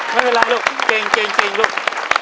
ไม่เป็นไรลูกเก่งลูก